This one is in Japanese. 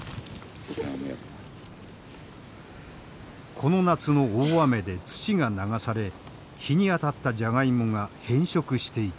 この夏の大雨で土が流され日に当たったジャガイモが変色していた。